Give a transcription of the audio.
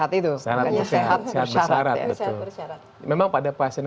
and me start with three to four serbuan pedal beracon tersebut yang berperu memberikan untuk ini